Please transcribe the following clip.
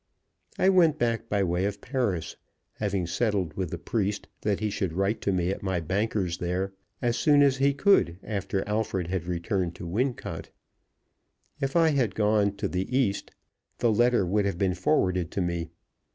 I went back by way of Paris, having settled with the priest that he should write to me at my banker's there as soon as he could after Alfred had returned to Wincot. If I had gone to the East, the letter would have been forwarded to me.